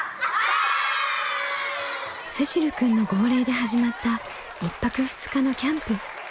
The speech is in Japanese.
せしるくんの号令で始まった１泊２日のキャンプ。